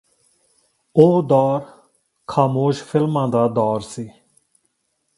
ਉਹ ਦੌਰ ਖਾਮੋਸ਼ ਫਿਲਮਾਂ ਦਾ ਦੌਰ ਸੀ